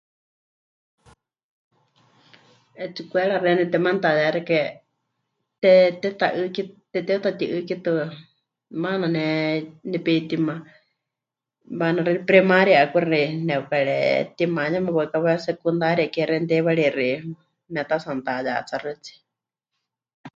'Etsikwera xeeníu temanutayaxike temɨteutati'ɨ́kitɨa, maana ne nepeitima, waana xeeníu primaria 'akuxi nepɨkaretima yeme waɨkawa, secundaria ke teiwarixi memɨtatsi'anutayatsáxɨtsie.